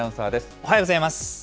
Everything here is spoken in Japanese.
おはようございます。